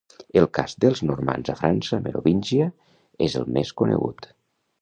El cas dels normands a França merovíngia és el més conegut.